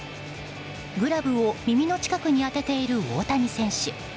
グラブを耳の近くに当てている大谷選手。